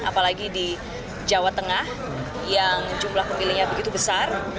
apalagi di jawa tengah yang jumlah pemilihnya begitu besar